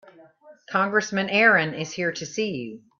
Congressman Aaron is here to see you.